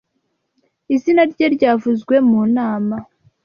Izina rye ryavuzwe mu nama.